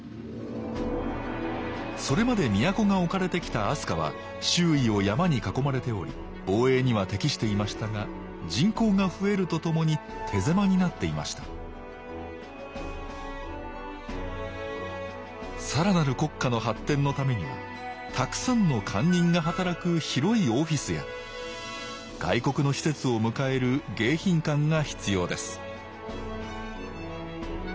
それまで都が置かれてきた飛鳥は周囲を山に囲まれており防衛には適していましたが人口が増えるとともに手狭になっていました更なる国家の発展のためにはたくさんの官人が働く広いオフィスや外国の使節を迎える迎賓館が必要です